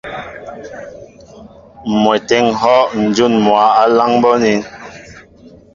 M̀mwɛtê tê ŋ̀hɔ́ ǹjún mwǎ á láŋ bɔ́ anín.